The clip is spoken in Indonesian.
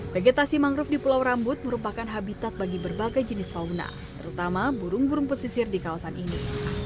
vegetasi mangrove di pulau rambut merupakan habitat bagi berbagai jenis fauna terutama burung burung pesisir di kawasan ini